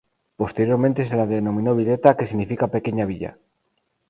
Posteriormente se la denominó Villeta que significa pequeña villa.